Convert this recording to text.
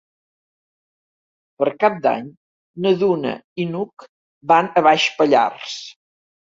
Per Cap d'Any na Duna i n'Hug van a Baix Pallars.